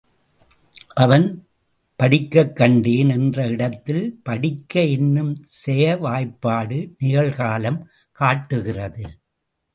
அவன் படிக்கக்கண்டேன் என்ற இடத்தில் படிக்க என்னும் செய வாய்பாடு நிகழ்காலம் காட்டுகிறது.